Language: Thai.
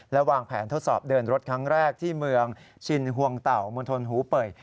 และวางแผนทดสอบเดินรถครั้งแรกที่เมืองชินห่วงเต่ามณฑลหูเป่ย